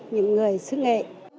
những người sứ nghệ